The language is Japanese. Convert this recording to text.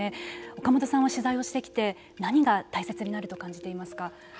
岡本さんは取材をしてきて何が大切になると感じていますか。